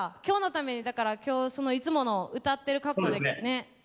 今日のためにだから今日そのいつもの歌ってる格好で。ね。